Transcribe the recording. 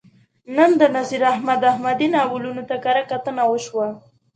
نن د نصیر احمد احمدي ناولونو ته کرهکتنه وشوه.